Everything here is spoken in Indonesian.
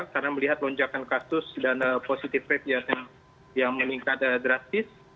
karena melihat lonjakan kasus dan positive rate yang meningkat drastis